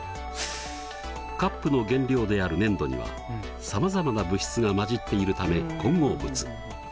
カップの原料である粘土にはさまざまな物質が混じっているため混合物。